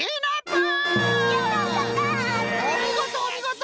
おみごとおみごと。